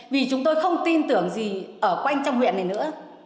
vì chúng tôi không tin tưởng gì ở quanh trong huyện này nữa